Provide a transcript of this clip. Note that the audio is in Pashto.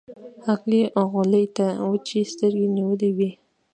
هغې غولي ته وچې سترګې نيولې وې.